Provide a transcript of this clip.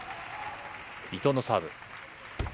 伊藤のサーブ。